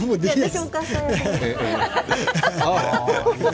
私お母さん役。